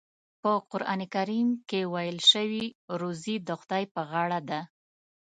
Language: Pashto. په قرآن کریم کې ویل شوي روزي د خدای په غاړه ده.